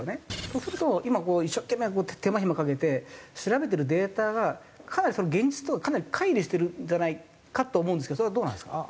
そうすると今こう一生懸命手間ひまかけて調べてるデータがかなり現実とはかなり乖離してるんじゃないかと思うんですけどそれはどうなんですか？